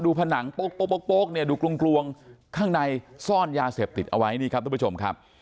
ผนังโป๊กเนี่ยดูกลวงข้างในซ่อนยาเสพติดเอาไว้นี่ครับทุกผู้ชมครับ